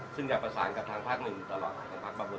ซึ่งอยากประสานกับทางท่านึงตลอดคันภักรบังพุทธภาคทอง